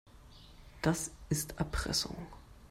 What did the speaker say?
Das ist Erpressung.